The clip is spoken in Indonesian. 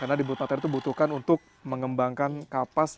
karena dibuat matahari itu butuhkan untuk mengembangkan kapas